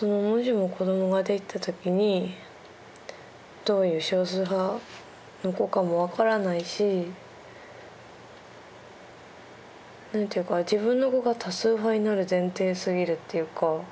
もしも子どもができた時にどういう少数派の子かも分からないし何ていうか自分の子が多数派になる前提すぎるっていうか。